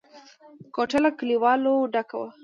کوټه له کليوالو ډکه وه.